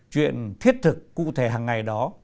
chuyện thiết thực cụ thể hàng ngày đó